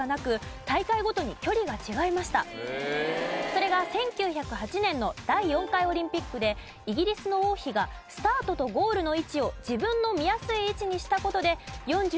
それが１９０８年の第４回オリンピックでイギリスの王妃がスタートとゴールの位置を自分の見やすい位置にした事で４２．１９５